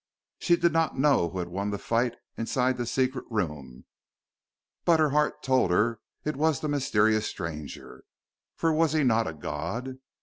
She did not know who had won the fight inside the secret room, but her heart told her it was the mysterious stranger, for was he not a god?